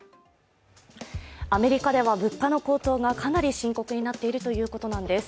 アメリカでは物価の高騰がかなり深刻になっているということなんです。